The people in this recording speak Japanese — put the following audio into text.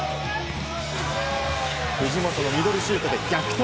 藤本のミドルシュートで逆転。